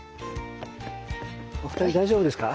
お二人大丈夫ですか？